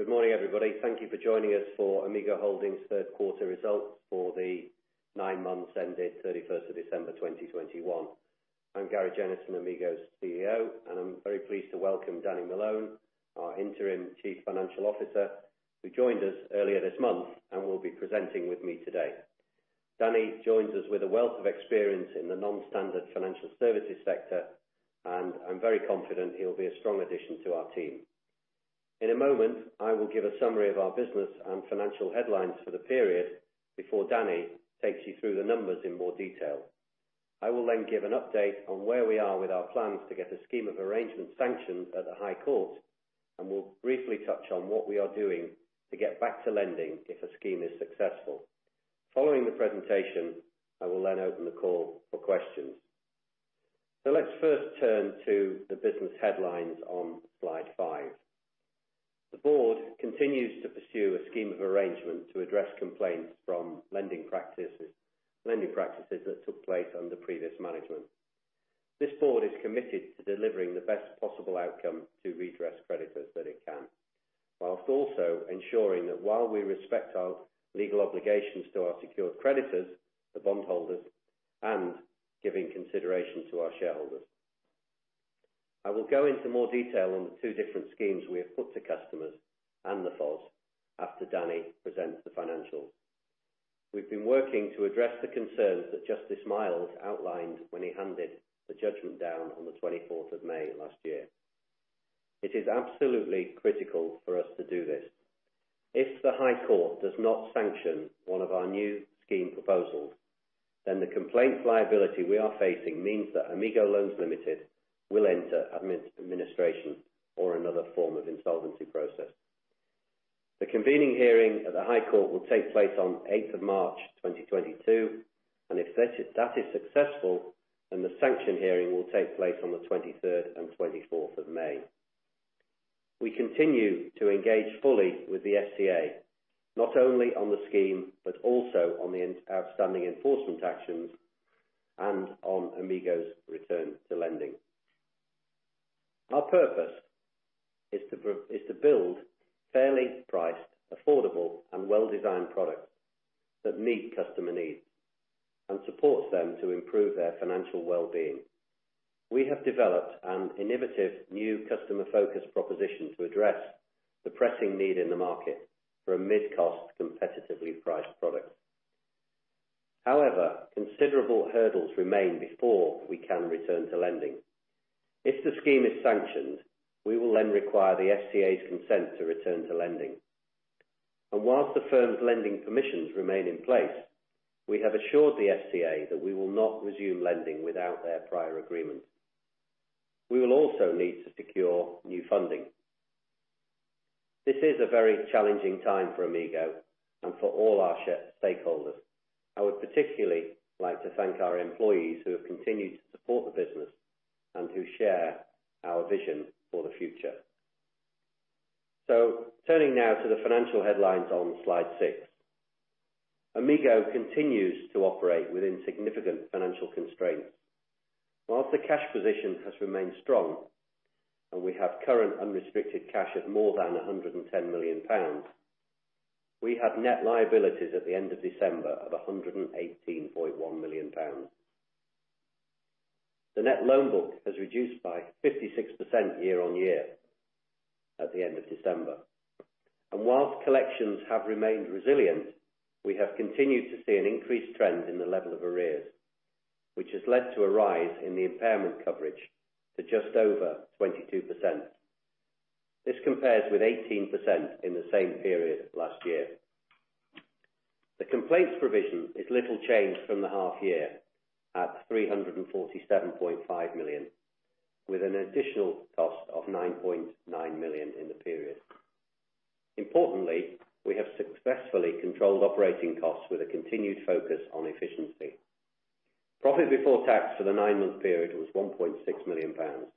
Good morning, everybody. Thank you for joining us for Amigo Holdings Third Quarter Results for the Nine-Months ended 31st of December 2021. I'm Gary Jennison, Amigo's CEO, and I'm very pleased to welcome Danny Malone, our Interim Chief Financial Officer, who joined us earlier this month and will be presenting with me today. Danny joins us with a wealth of experience in the non-standard financial services sector, and I'm very confident he'll be a strong addition to our team. In a moment, I will give a summary of our business and financial headlines for the period before Danny takes you through the numbers in more detail. I will then give an update on where we are with our plans to get the scheme of arrangement sanctioned at the High Court, and we'll briefly touch on what we are doing to get back to lending if a scheme is successful. Following the presentation, I will then open the call for questions. Let's first turn to the business headlines on slide five. The board continues to pursue a scheme of arrangement to address complaints from lending practices that took place under previous management. This board is committed to delivering the best possible outcome to redress creditors that it can, while also ensuring that while we respect our legal obligations to our secured creditors, the bondholders, and giving consideration to our shareholders. I will go into more detail on the two different schemes we have put to customers and the FoS after Danny presents the financials. We've been working to address the concerns that Justice Miles outlined when he handed the judgment down on the 24th of May last year. It is absolutely critical for us to do this. If the High Court does not sanction one of our new scheme proposals, then the complaints liability we are facing means that Amigo Loans Ltd will enter administration or another form of insolvency process. The convening hearing at the High Court will take place on 8th March 2022, and if that is successful, then the sanction hearing will take place on 23rd and 24th of May 2022. We continue to engage fully with the FCA, not only on the scheme, but also on the outstanding enforcement actions and on Amigo's return to lending. Our purpose is to build fairly priced affordable and well-designed products that meet customer needs and supports them to improve their financial well-being. We have developed an innovative new customer focus proposition to address the pressing need in the market for a mid-cost, competitively priced product. However, considerable hurdles remain before we can return to lending. If the scheme is sanctioned, we will then require the FCA's consent to return to lending. While the firm's lending permissions remain in place, we have assured the FCA that we will not resume lending without their prior agreement. We will also need to secure new funding. This is a very challenging time for Amigo and for all our stakeholders. I would particularly like to thank our employees who have continued to support the business and who share our vision for the future. Turning now to the financial headlines on slide six. Amigo continues to operate within significant financial constraints. While the cash position has remained strong, and we have current unrestricted cash of more than 110 million pounds, we have net liabilities at the end of December of 118.1 million pounds. The net loan book has reduced by 56% year-over-year at the end of December. While collections have remained resilient, we have continued to see an increased trend in the level of arrears, which has led to a rise in the impairment coverage to just over 22%. This compares with 18% in the same period last year. The complaints provision is little changed from the half year at 347.5 million, with an additional cost of 9.9 million in the period. Importantly, we have successfully controlled operating costs with a continued focus on efficiency. Profit before tax for the nine-month period was 1.6 million pounds.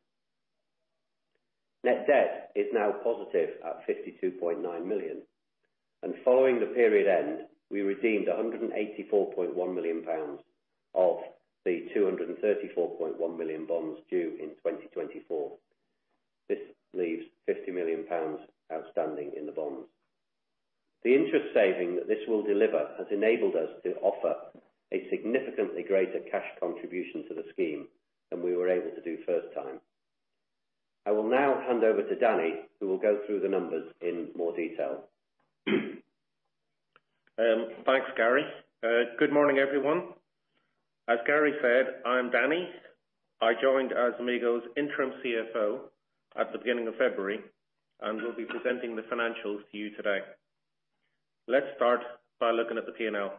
Net debt is now positive at 52.9 million, and following the period end, we redeemed 184.1 million pounds of the 234.1 million bonds due in 2024. This leaves 50 million pounds outstanding in the bonds. The interest saving that this will deliver has enabled us to offer a significantly greater cash contribution to the scheme than we were able to do first time. I will now hand over to Danny, who will go through the numbers in more detail. Thanks, Gary. Good morning, everyone. As Gary said, I'm Danny. I joined as Amigo's Interim CFO at the beginning of February and will be presenting the financials to you today. Let's start by looking at the P&L.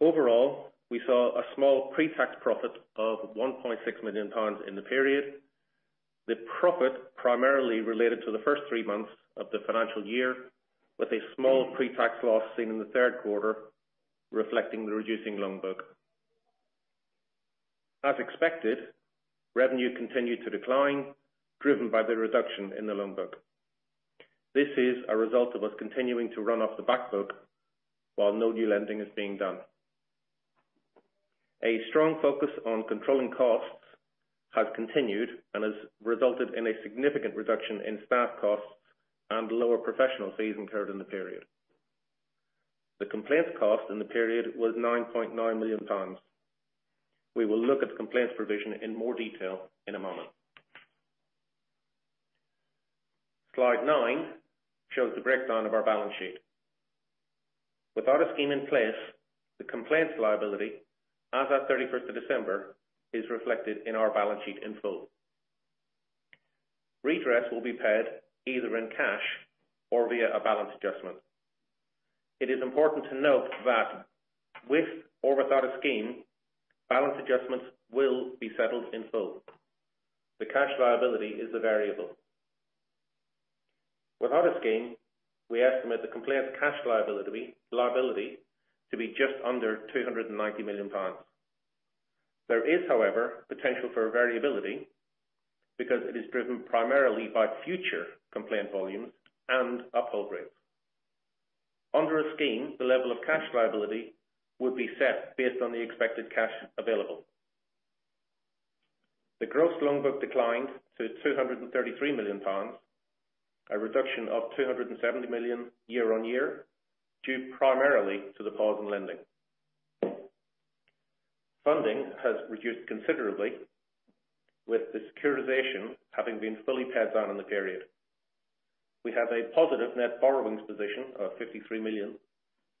Overall, we saw a small pre-tax profit of 1.6 million pounds in the period. The profit primarily related to the first three months of the financial year, with a small pre-tax loss seen in the third quarter, reflecting the reducing loan book. As expected, revenue continued to decline, driven by the reduction in the loan book. This is a result of us continuing to run off the backbook while no new lending is being done. A strong focus on controlling costs has continued and has resulted in a significant reduction in staff costs and lower professional fees incurred in the period. The complaints cost in the period was 90.9 million. We will look at the complaints provision in more detail in a moment. Slide nine shows the breakdown of our balance sheet. Without a scheme in place, the complaints liability as at 31st of December is reflected in our balance sheet in full. Redress will be paid either in cash or via a balance adjustment. It is important to note that with or without a scheme, balance adjustments will be settled in full. The cash liability is the variable. Without a scheme, we estimate the complaint cash liability to be just under 290 million pounds. There is, however, potential for variability because it is driven primarily by future complaint volumes and uphold rates. Under a scheme, the level of cash liability would be set based on the expected cash available. The gross loan book declined to GBP 233 million, a reduction of GBP 270 million year-on-year, due primarily to the pause in lending. Funding has reduced considerably, with the securitization having been fully paid down in the period. We have a positive net borrowings position of 53 million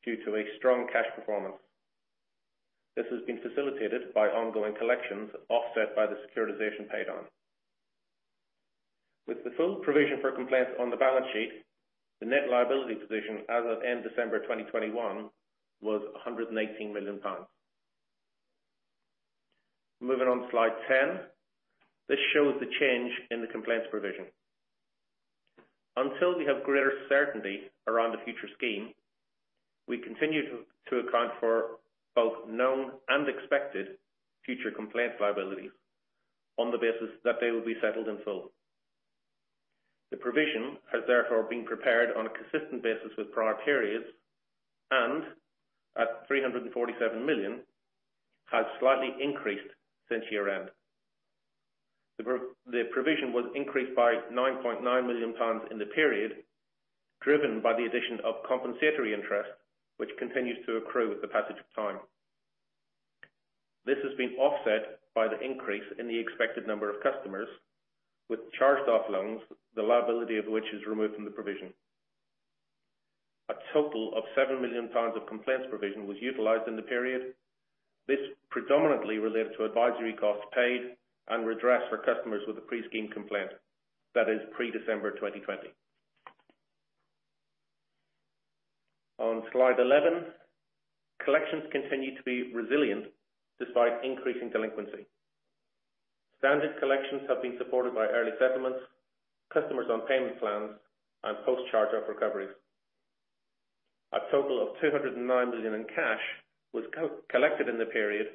due to a strong cash performance. This has been facilitated by ongoing collections offset by the securitization paid down. With the full provision for complaints on the balance sheet, the net liability position as of end December 2021 was 118 million pounds. Moving on to slide 10. This shows the change in the complaints provision. Until we have greater certainty around the future scheme, we continue to account for both known and expected future complaint liabilities on the basis that they will be settled in full. The provision has therefore been prepared on a consistent basis with prior periods and at 347 million has slightly increased since year end. The provision was increased by 9.9 million pounds in the period, driven by the addition of compensatory interest which continues to accrue with the passage of time. This has been offset by the increase in the expected number of customers with charge-off loans, the liability of which is removed from the provision. A total of 7 million pounds of complaints provision was utilized in the period. This predominantly relates to advisory costs paid and redressed for customers with a pre-scheme complaint. That is pre-December 2020. On slide 11, collections continue to be resilient despite increasing delinquency. Standard collections have been supported by early settlements, customers on payment plans, and post charge-off recoveries. A total of 209 million in cash was collected in the period.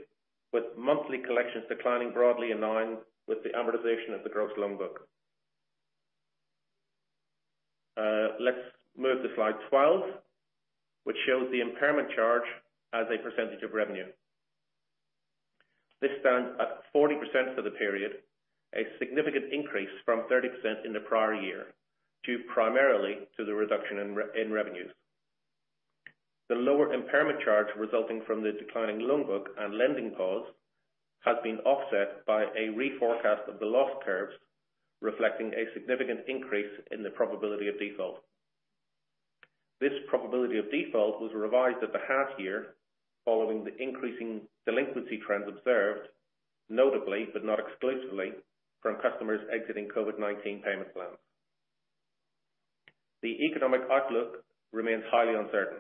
With monthly collections declining broadly in line with the amortization of the gross loan book. Let's move to slide 12, which shows the impairment charge as a percentage of revenue. This stands at 40% for the period, a significant increase from 30% in the prior year, due primarily to the reduction in revenues. The lower impairment charge resulting from the declining loan book and lending pause has been offset by a reforecast of the loss curves, reflecting a significant increase in the probability of default. This probability of default was revised at the half year following the increasing delinquency trends observed, notably but not exclusively from customers exiting COVID-19 payment plans. The economic outlook remains highly uncertain.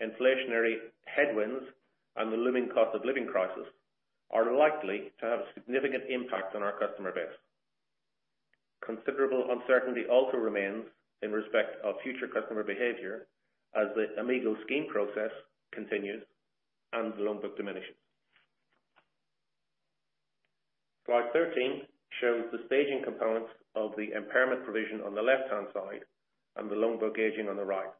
Inflationary headwinds and the looming cost of living crisis are likely to have a significant impact on our customer base. Considerable uncertainty also remains in respect of future customer behavior as the Amigo scheme process continues and the loan book diminishes. Slide 13 shows the staging components of the impairment provision on the left hand side and the loan book aging on the right.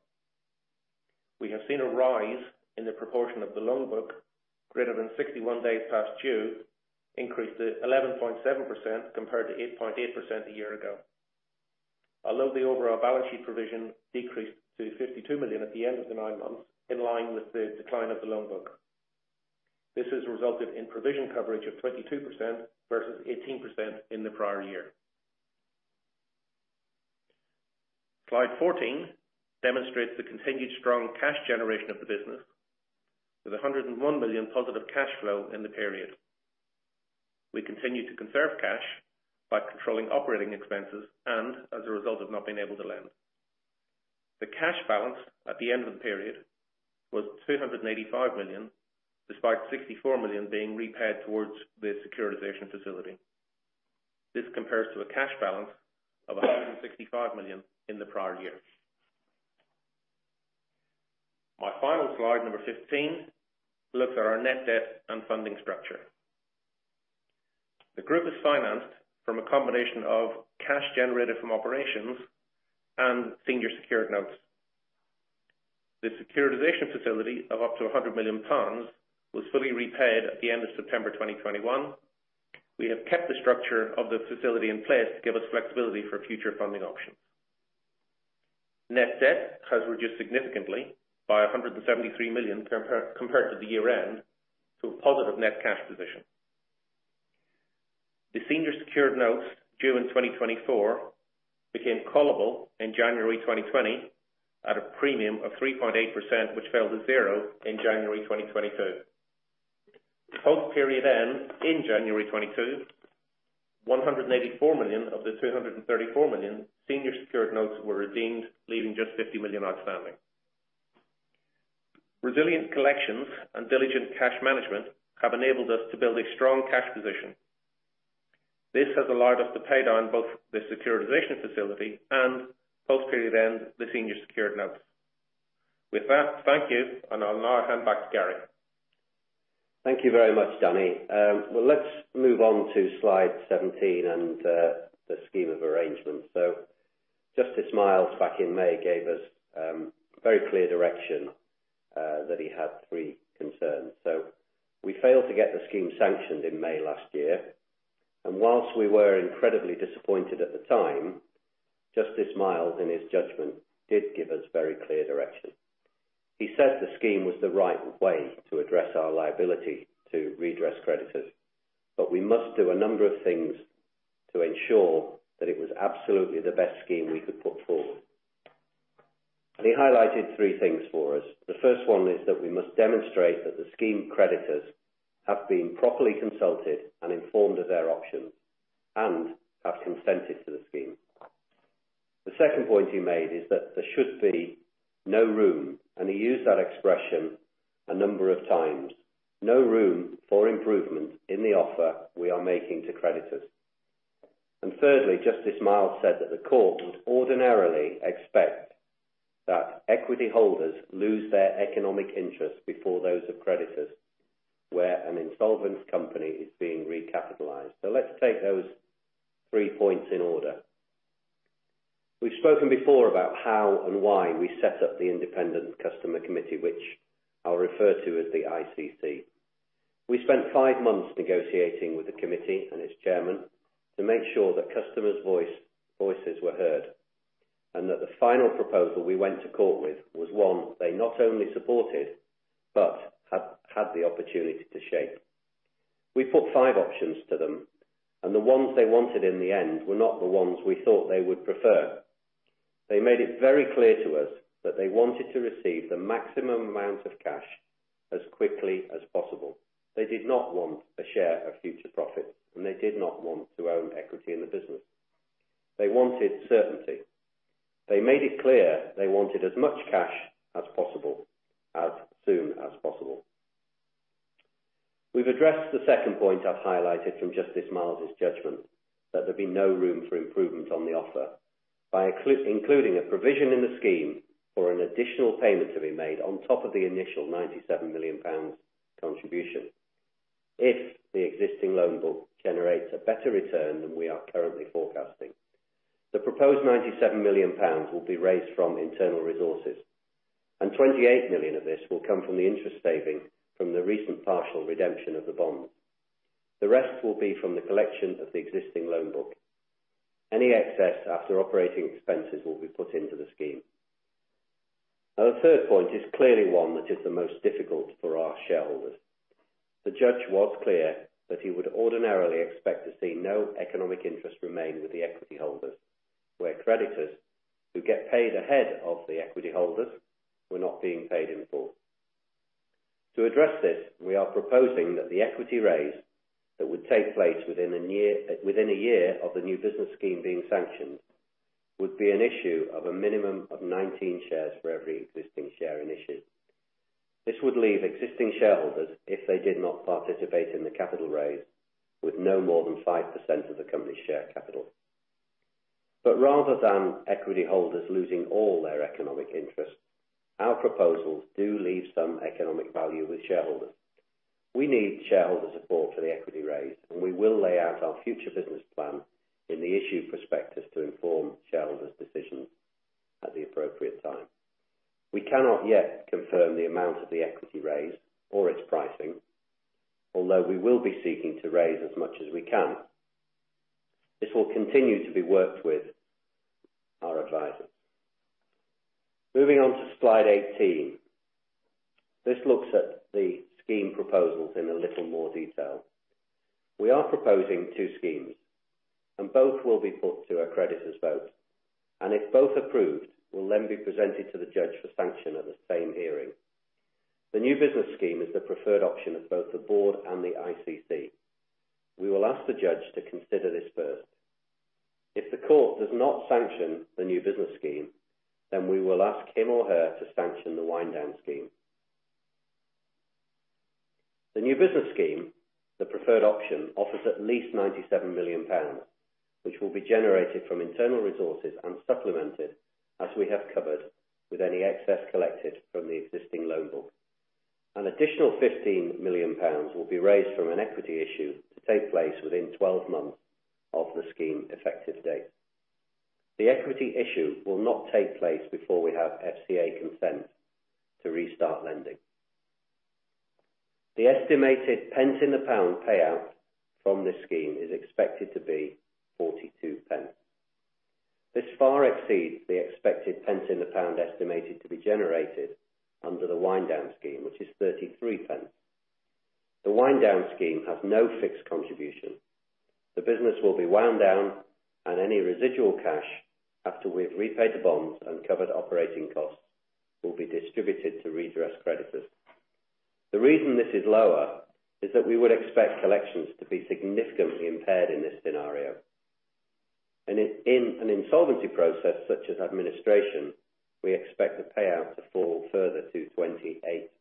We have seen a rise in the proportion of the loan book greater than 61 days past due, increased to 11.7% compared to 8.8% a year ago. Although the overall balance sheet provision decreased to 52 million at the end of the nine months, in line with the decline of the loan book. This has resulted in provision coverage of 22% versus 18% in the prior year. Slide 14 demonstrates the continued strong cash generation of the business with 101 million positive cash flow in the period. We continue to conserve cash by controlling operating expenses and as a result have not been able to lend. The cash balance at the end of the period was 285 million, despite 64 million being repaid towards the securitization facility. This compares to a cash balance of 165 million in the prior year. My final slide, number 15, looks at our net debt and funding structure. The group is financed from a combination of cash generated from operations and senior secured notes. The securitization facility of up to 100 million pounds was fully repaid at the end of September 2021. We have kept the structure of the facility in place to give us flexibility for future funding options. Net debt has reduced significantly by 173 million compared to the year-end to a positive net cash position. The senior secured notes due in 2024 became callable in January 2020 at a premium of 3.8%, which fell to zero in January 2022. Post-period end in January 2022, 184 million of the 234 million senior secured notes were redeemed, leaving just 50 million outstanding. Resilient collections and diligent cash management have enabled us to build a strong cash position. This has allowed us to pay down both the securitization facility and post-period end, the senior secured notes. With that, thank you, and I'll now hand back to Gary. Thank you very much, Danny. Let's move on to slide 17 and the scheme of arrangements. Justice Miles back in May gave us very clear direction that he had three concerns. We failed to get the scheme sanctioned in May last year, and whilst we were incredibly disappointed at the time, Justice Miles in his judgment did give us very clear direction. He said the scheme was the right way to address our liability to redress creditors, but we must do a number of things to ensure that it was absolutely the best scheme we could put forward. He highlighted three things for us. The first one is that we must demonstrate that the scheme creditors have been properly consulted and informed of their options and have consented to the scheme. The second point he made is that there should be no room, and he used that expression a number of times, no room for improvement in the offer we are making to creditors. Thirdly, Justice Miles said that the court would ordinarily expect that equity holders lose their economic interest before those of creditors where an insolvent company is being recapitalized. Let's take those three points in order. We've spoken before about how and why we set up the independent customer committee, which I'll refer to as the ICC. We spent five months negotiating with the committee and its chairman to make sure that customers' voices were heard, and that the final proposal we went to court with was one they not only supported but had the opportunity to shape. We put five options to them, and the ones they wanted in the end were not the ones we thought they would prefer. They made it very clear to us that they wanted to receive the maximum amount of cash as quickly as possible. They did not want a share of future profits, and they did not want to own equity in the business. They wanted certainty. They made it clear they wanted as much cash as possible, as soon as possible. We've addressed the second point I've highlighted from Justice Miles' judgment that there'd be no room for improvement on the offer by including a provision in the scheme for an additional payment to be made on top of the initial 97 million pounds contribution if the existing loan book generates a better return than we are currently forecasting. The proposed 97 million pounds will be raised from internal resources, and 28 million of this will come from the interest saving from the recent partial redemption of the bond. The rest will be from the collection of the existing loan book. Any excess after operating expenses will be put into the scheme. Now, the third point is clearly one that is the most difficult for our shareholders. The judge was clear that he would ordinarily expect to see no economic interest remain with the equity holders, where creditors who get paid ahead of the equity holders were not being paid in full. To address this, we are proposing that the equity raise that would take place within a year of the New Business Scheme being sanctioned would be an issue of a minimum of 19 shares for every existing share in issue. This would leave existing shareholders if they did not participate in the capital raise with no more than 5% of the company's share capital. Rather than equity holders losing all their economic interest, our proposals do leave some economic value with shareholders. We need shareholder support for the equity raise, and we will lay out our future business plan in the issue prospectus to inform shareholders' decisions at the appropriate time. We cannot yet confirm the amount of the equity raise or its pricing, although we will be seeking to raise as much as we can. This will continue to be worked with our advisors. Moving on to slide 18. This looks at the scheme proposals in a little more detail. We are proposing two schemes and both will be put to a creditors vote, and if both approved, will then be presented to the judge for sanction at the same hearing. The New Business Scheme is the preferred option of both the board and the ICC. We will ask the judge to consider this first. If the court does not sanction the New Business Scheme, then we will ask him or her to sanction the Wind Down Scheme. The New Business Scheme, the preferred option, offers at least 97 million pounds, which will be generated from internal resources and supplemented as we have covered with any excess collected from the existing loan book. An additional 15 million pounds will be raised from an equity issue to take place within 12 months of the scheme effective date. The equity issue will not take place before we have FCA consent to restart lending. The estimated pence in the pound payout from this scheme is expected to be 0.42. This far exceeds the expected pence in the pound estimated to be generated under the Wind Down Scheme, which is 0.33. The Wind Down Scheme has no fixed contribution. The business will be wound down and any residual cash after we've repaid the bonds and covered operating costs will be distributed to redress creditors. The reason this is lower is that we would expect collections to be significantly impaired in this scenario. In an insolvency process such as administration, we expect the payout to fall further to 0.28.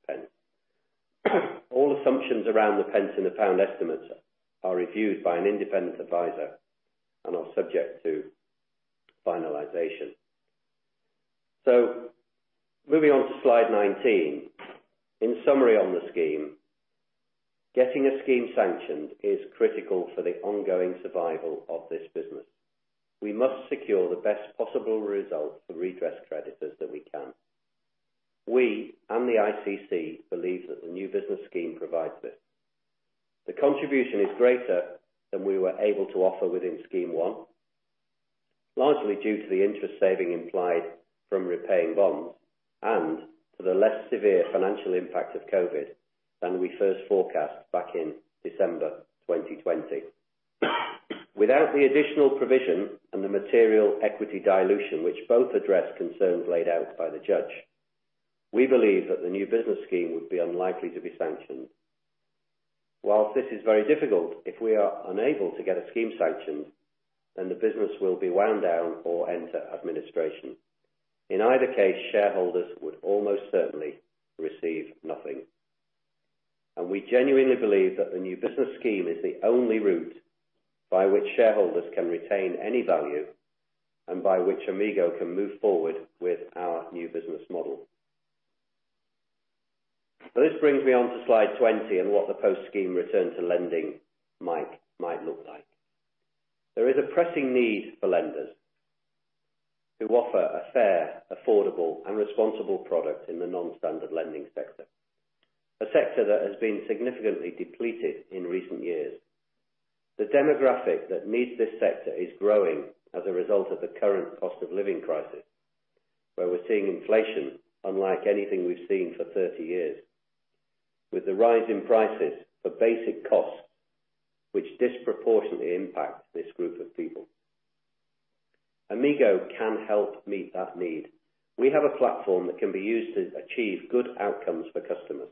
All assumptions around the pence in the pound estimates are reviewed by an independent advisor and are subject to finalization. Moving on to slide 19, in summary on the scheme, getting a scheme sanctioned is critical for the ongoing survival of this business. We must secure the best possible result for redress creditors that we can. We and the ICC believe that the New Business Scheme provides this. The contribution is greater than we were able to offer within Scheme 1, largely due to the interest saving implied from repaying bonds and to the less severe financial impact of COVID-19 than we first forecast back in December 2020. Without the additional provision and the material equity dilution, which both address concerns laid out by the judge, we believe that the New Business Scheme would be unlikely to be sanctioned. While this is very difficult, if we are unable to get a scheme sanctioned, then the business will be wound down or enter administration. In either case, shareholders would almost certainly receive nothing. We genuinely believe that the New Business Scheme is the only route by which shareholders can retain any value and by which Amigo can move forward with our new business model. This brings me on to slide 20 and what the post scheme return to lending might look like. There is a pressing need for lenders who offer a fair, affordable, and responsible product in the non-standard lending sector, a sector that has been significantly depleted in recent years. The demographic that needs this sector is growing as a result of the current cost of living crisis, where we're seeing inflation unlike anything we've seen for 30 years. With the rise in prices for basic costs, which disproportionately impact this group of people, Amigo can help meet that need. We have a platform that can be used to achieve good outcomes for customers.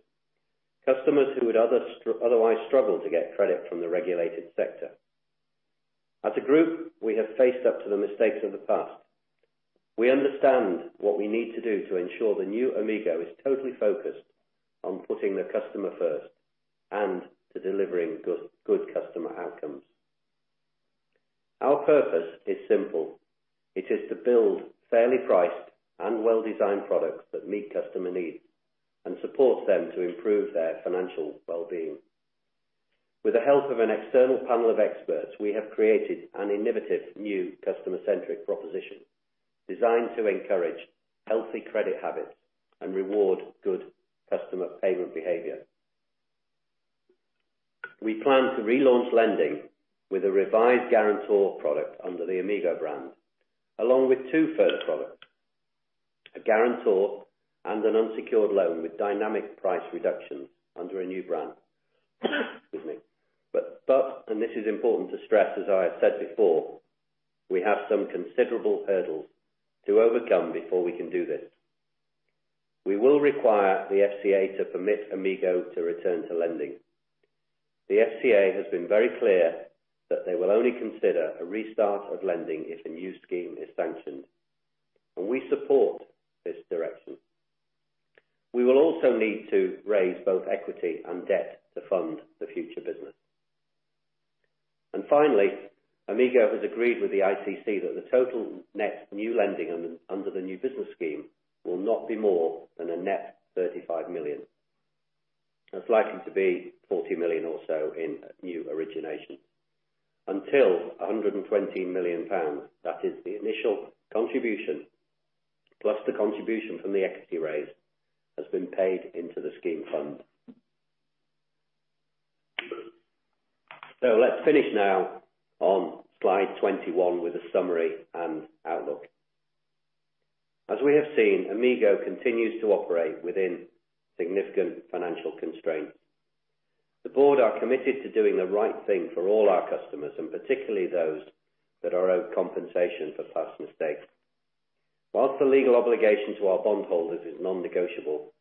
Customers who would otherwise struggle to get credit from the regulated sector. As a group, we have faced up to the mistakes of the past. We understand what we need to do to ensure the new Amigo is totally focused on putting the customer first and to delivering good customer outcomes. Our purpose is simple. It is to build fairly priced and well-designed products that meet customer needs and support them to improve their financial well-being. With the help of an external panel of experts, we have created an innovative new customer-centric proposition designed to encourage healthy credit habits and reward good customer payment behavior. We plan to relaunch lending with a revised guarantor product under the Amigo brand, along with two further products, a guarantor and an unsecured loan with dynamic price reductions under a new brand. Excuse me. This is important to stress, as I have said before, we have some considerable hurdles to overcome before we can do this. We will require the FCA to permit Amigo to return to lending. The FCA has been very clear that they will only consider a restart of lending if a new scheme is sanctioned, and we support this direction. We will also need to raise both equity and debt to fund the future business. Finally, Amigo has agreed with the ICC that the total net new lending under the New Business Scheme will not be more than a net 35 million. It's likely to be 40 million or so in new origination. Until 120 million pounds, that is the initial contribution, plus the contribution from the equity raise, has been paid into the scheme fund. Let's finish now on slide 21 with a summary and outlook. As we have seen, Amigo continues to operate within significant financial constraints. The board are committed to doing the right thing for all our customers, and particularly those that are owed compensation for past mistakes. While the legal obligation to our bond holders is non-negotiable,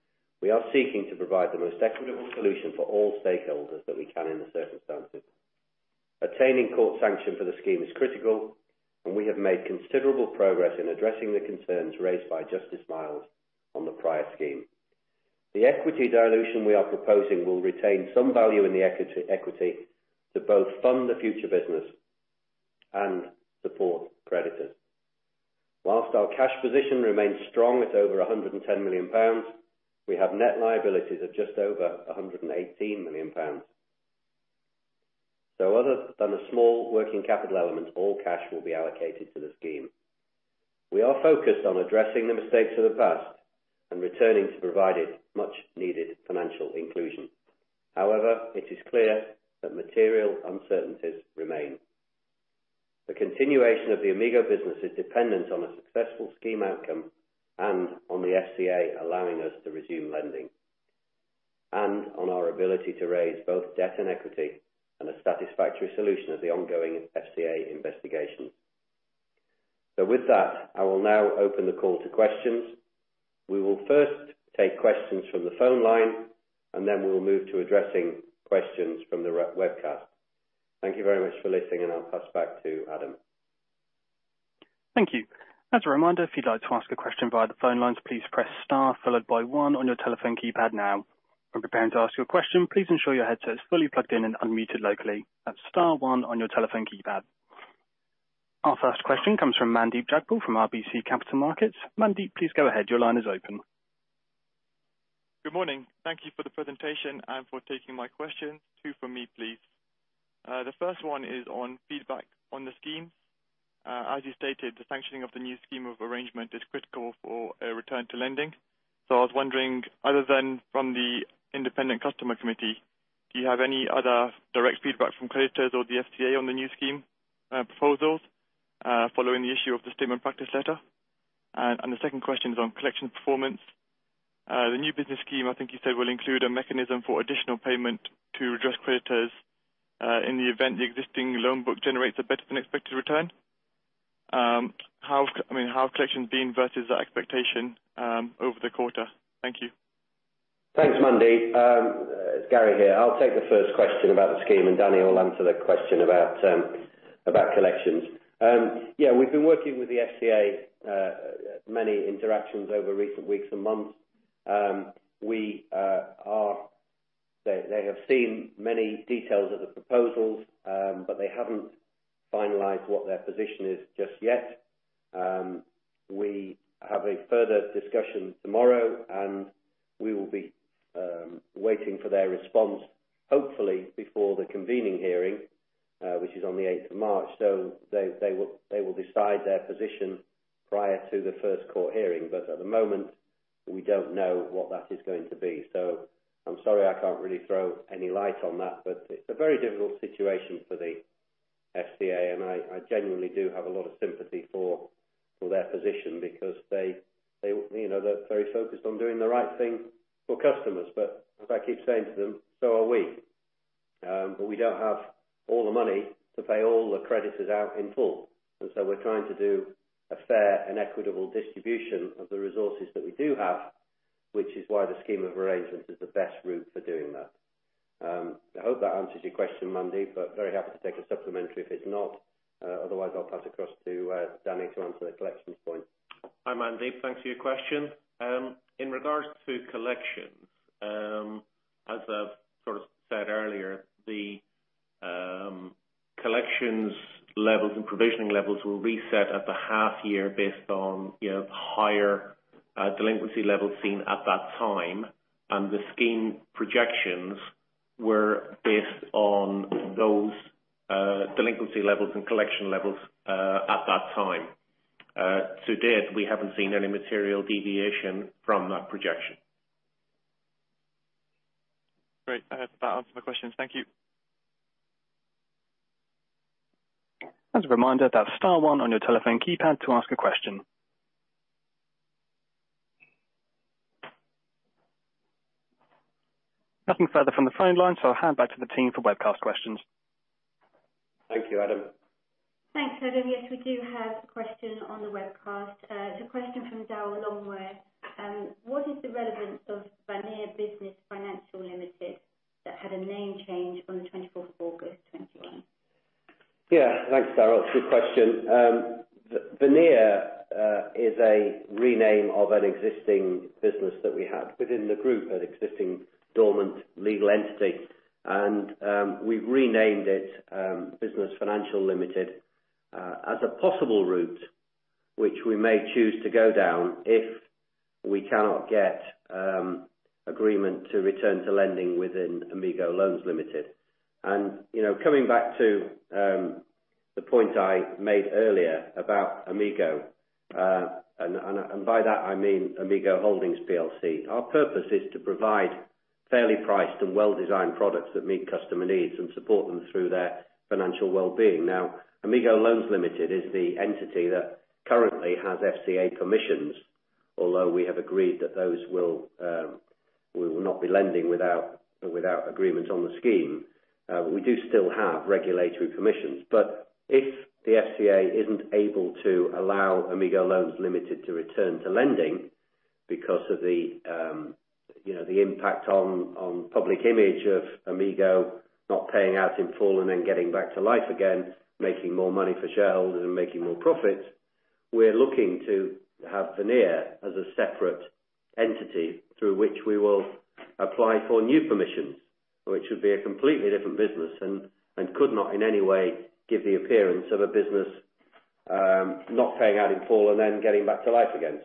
we are seeking to provide the most equitable solution for all stakeholders that we can in the circumstances. Attaining court sanction for the scheme is critical, and we have made considerable progress in addressing the concerns raised by Justice Miles on the prior scheme. The equity dilution we are proposing will retain some value in the equity to both fund the future business and support creditors. While our cash position remains strong at over 110 million pounds, we have net liabilities of just over 118 million pounds. Other than the small working capital element, all cash will be allocated to the scheme. We are focused on addressing the mistakes of the past and returning to provide much needed financial inclusion. However, it is clear that material uncertainties remain. The continuation of the Amigo business is dependent on a successful scheme outcome and on the FCA allowing us to resume lending. On our ability to raise both debt and equity and a satisfactory solution of the ongoing FCA investigation. With that, I will now open the call to questions. We will first take questions from the phone line, and then we'll move to addressing questions from the webcast. Thank you very much for listening, and I'll pass back to Adam. Thank you. As a reminder, if you'd like to ask a question via the phone lines, please press star followed by one on your telephone keypad now. When preparing to ask your question, please ensure your headset is fully plugged in and unmuted locally. That's star one on your telephone keypad. Our first question comes from Mandeep Jagpal from RBC Capital Markets. Mandeep, please go ahead. Your line is open. Good morning. Thank you for the presentation and for taking my question. Two from me, please. The first one is on feedback on the scheme. As you stated, the sanctioning of the new scheme of arrangement is critical for a return to lending. I was wondering, other than from the independent customer committee, do you have any other direct feedback from creditors or the FCA on the new scheme proposals following the issue of the practice statement letter? And the second question is on collection performance. The New Business Scheme, I think you said, will include a mechanism for additional payment to address creditors in the event the existing loan book generates a better than expected return. I mean, how have collections been versus that expectation over the quarter? Thank you. Thanks, Mandeep. It's Gary here. I'll take the first question about the scheme, and Danny will answer the question about collections. Yeah, we've been working with the FCA, many interactions over recent weeks and months. They have seen many details of the proposals, but they haven't finalized what their position is just yet. We have a further discussion tomorrow, and we will be waiting for their response, hopefully before the convening hearing, which is on the 8th of March. They will decide their position prior to the first court hearing. At the moment, we don't know what that is going to be. I'm sorry, I can't really throw any light on that, but it's a very difficult situation for the FCA, and I genuinely do have a lot of sympathy for their position because they you know, they're very focused on doing the right thing for customers. As I keep saying to them, so are we. We don't have all the money to pay all the creditors out in full. We're trying to do a fair and equitable distribution of the resources that we do have, which is why the scheme of arrangement is the best route for doing that. I hope that answers your question, Mandeep, but very happy to take a supplementary if it's not. Otherwise, I'll pass across to Danny to answer the collections point. Hi, Mandeep. Thanks for your question. In regards to collections, as I've sort of said earlier, the collections levels and provisioning levels will reset at the half year based on, you know, higher delinquency levels seen at that time. The scheme projections were based on those delinquency levels and collection levels at that time. To date, we haven't seen any material deviation from that projection. Great. That answers my questions. Thank you. As a reminder, dial star one on your telephone keypad to ask a question. Nothing further from the phone line, so I'll hand back to the team for webcast questions. Thank you, Adam. Thanks, Adam. Yes, we do have a question on the webcast. It's a question from [Daryl Lunn]. What is the relevance of Vanir Business Financial Limited that had a name change on the 24th of August 2021? Yeah. Thanks, Daryl. Good question. Vanir is a rename of an existing business that we had within the group, an existing dormant legal entity. We've renamed it Vanir Business Financial Limited as a possible route which we may choose to go down if we cannot get agreement to return to lending within Amigo Loans Limited. You know, coming back to the point I made earlier about Amigo, and by that I mean Amigo Holdings PLC. Our purpose is to provide fairly priced and well-designed products that meet customer needs and support them through their financial well-being. Now, Amigo Loans Limited is the entity that currently has FCA permissions, although we have agreed that those will, we will not be lending without agreement on the scheme. We do still have regulatory permissions. If the FCA isn't able to allow Amigo Loans Limited to return to lending because of the, you know, the impact on public image of Amigo not paying out in full and then getting back to life again, making more money for shareholders and making more profits, we're looking to have Vanir as a separate entity through which we will apply for new permissions, which should be a completely different business and could not in any way give the appearance of a business not paying out in full and then getting back to life again.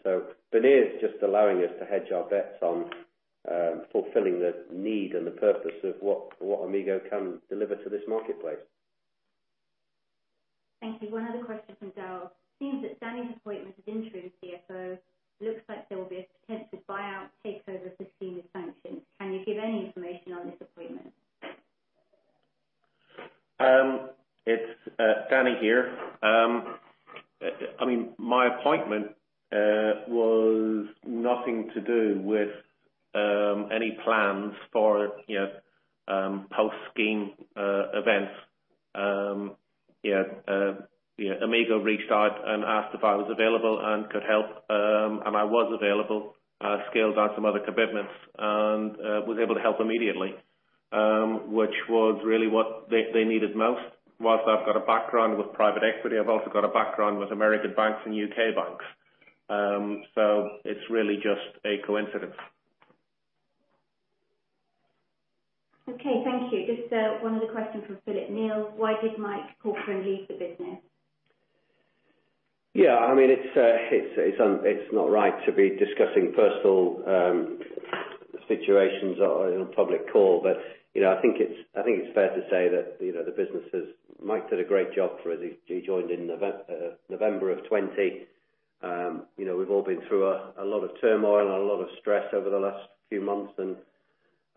Vanir is just allowing us to hedge our bets on fulfilling the need and the purpose of what Amigo can deliver to this marketplace. Thank you. One other question from Daryl. It seems that Danny's appointment as Interim CFO looks like there will be a potential buyout takeover if the scheme is sanctioned. Can you give any information on this appointment? It's Danny here. I mean, my appointment was nothing to do with any plans for, you know, post-scheme events. Yeah, Amigo reached out and asked if I was available and could help, and I was available. I scaled down some other commitments and was able to help immediately, which was really what they needed most. While I've got a background with private equity, I've also got a background with American banks and U.K. banks. So it's really just a coincidence. Okay, thank you. Just, one other question from Philip Neal. Why did Mike Corcoran leave the business? Yeah, I mean, it's not right to be discussing personal situations on a public call. You know, I think it's fair to say that, you know, the business is. Mike did a great job for us. He joined in November of 2020. You know, we've all been through a lot of turmoil and a lot of stress over the last few months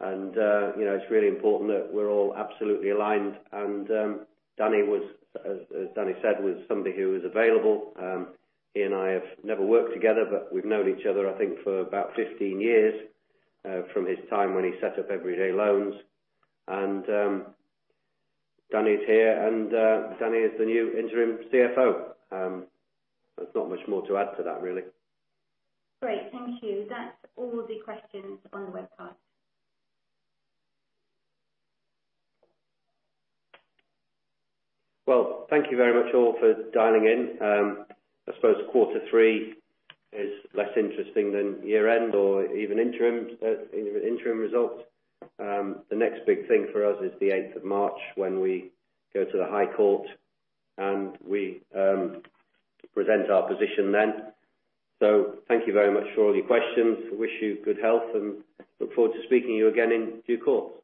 and, you know, it's really important that we're all absolutely aligned. Danny was, as Danny said, somebody who was available. He and I have never worked together, but we've known each other, I think, for about 15 years, from his time when he set up Everyday Loans. Danny's here and Danny is the new Interim CFO. There's not much more to add to that, really. Great. Thank you. That's all the questions on the website. Well, thank you very much all for dialing in. I suppose quarter three is less interesting than year-end or even interim results. The next big thing for us is the 8th of March when we go to the High Court and we present our position then. Thank you very much for all your questions. I wish you good health and look forward to speaking to you again in due course.